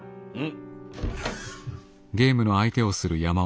うん。